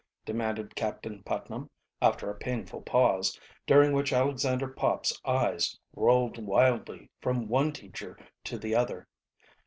demanded Captain Putnam, after a painful pause, during which Alexander Pop's eyes rolled wildly from one teacher to the other.